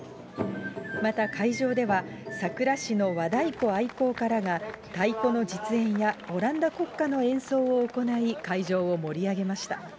また会場では、佐倉市の和太鼓愛好家らが太鼓の実演やオランダ国歌の演奏を行い、会場を盛り上げました。